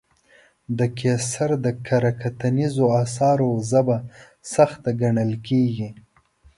د قیصر د کره کتنیزو اثارو ژبه سخته ګڼل کېږي.